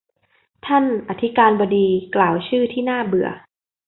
ท่านอธิการบดีกล่าวชื่อที่น่าเบื่อ